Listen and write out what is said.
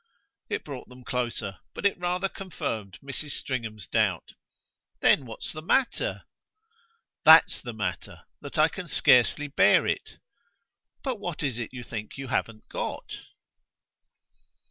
It brought them closer, but it rather confirmed Mrs. Stringham's doubt. "Then what's the matter?" "That's the matter that I can scarcely bear it." "But what is it you think you haven't got?"